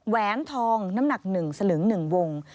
แหนทองน้ำหนัก๑สลึง๑วง